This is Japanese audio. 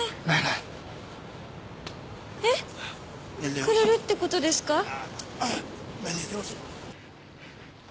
えっ？くれるってことですか？